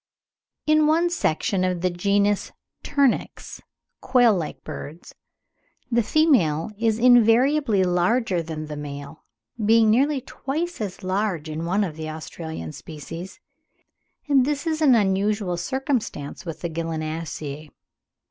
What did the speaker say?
In one section of the genus Turnix, quail like birds, the female is invariably larger than the male (being nearly twice as large in one of the Australian species), and this is an unusual circumstance with the Gallinaceae.